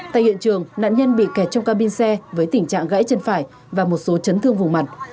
tại hiện trường nạn nhân bị kẹt trong cabin xe với tình trạng gãy chân phải và một số chấn thương vùng mặt